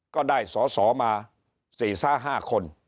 ก็ได้สอสอมา๔๕คน